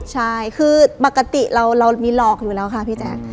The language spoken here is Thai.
ใช่คือปกติเรามีหลอกอยู่แล้วค่ะพี่แจ๊ค